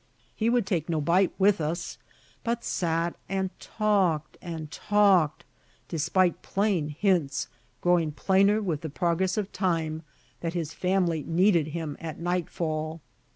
He would take no bite with us, but sat and talked and talked, despite plain hints, growing plainer with the progress of time, that his family needed him at nightfall.